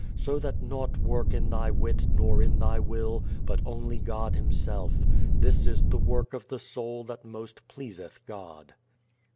So that nought work in thy wit, nor in thy will, but only God Himself. This is the work of the soul that most pleaseth God."